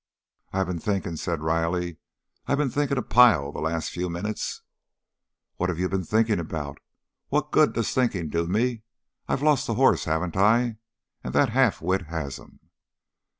"I been thinking," said Riley. "I been thinking a pile the last few minutes." "What you been thinking about? What good does thinking do me? I've lost the horse, haven't I, and that half wit has him?"